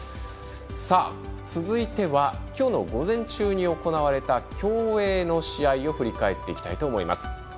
続いてはきょうの午前中に行われた競泳の試合を振り返っていきたいと思います。